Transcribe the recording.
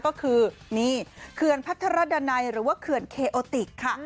ก็คือเคือนพัฒนระดันัยหรือว่าเคือนเคโอติกค่ะ